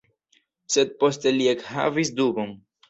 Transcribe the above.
Sed poste li ekhavis dubon.